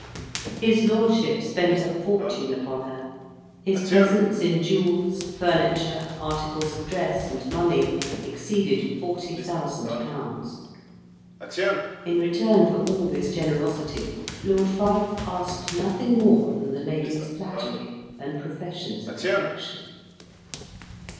His lordship spent a fortune upon her; his presents in jewels, furniture, articles of dress, and money, exceeded 40,000£. In return for all this generosity, Lord Fife asked nothing more than the lady's flattery and professions of affection.